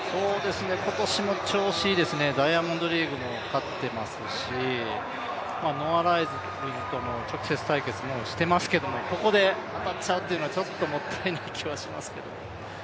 今年も調子がいいですね、ダイヤモンドリーグも勝っていますしノア・ライルズとも直接対決していますけど、ここで当たっちゃうっていうのはちょっともったいない気もしますけど。